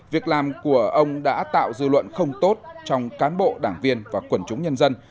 việc làm của ông đã tạo dư luận không tốt trong cán bộ đảng viên và quần chúng nhân dân